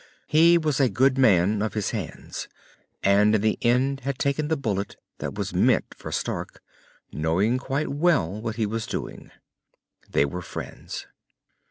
He was a good man of his hands, and in the end had taken the bullet that was meant for Stark, knowing quite well what he was doing. They were friends.